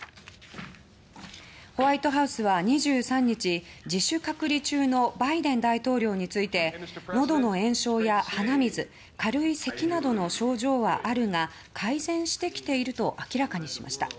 ホワイトハウスは２３日自主隔離中のバイデン大統領についてのどの炎症や鼻水軽い咳などの症状はあるが改善してきていると明らかにしました。